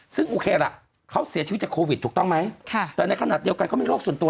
ซึ่งโอเคล่ะเขาเสียชีวิตจากโควิดถูกต้องไหมแต่ในขณะเดียวกันเขามีโรคส่วนตัว